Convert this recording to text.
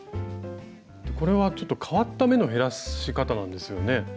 これはちょっと変わった目の減らし方なんですよね。